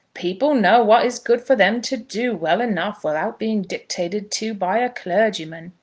"People know what is good for them to do, well enough, without being dictated to by a clergyman!"